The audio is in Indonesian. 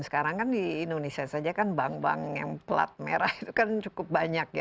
sekarang kan di indonesia saja kan bank bank yang pelat merah itu kan cukup banyak ya